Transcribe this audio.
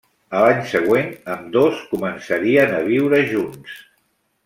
A l'any següent ambdós començarien a viure junts.